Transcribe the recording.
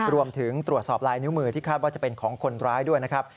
รวมถึงตรวจสอบลายนิ้วมือที่คาดว่าจะเป็นของคนร้ายด้วยนะครับ